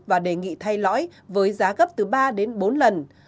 và đề nghị thay lõi với giá gấp từ ba đến bốn lần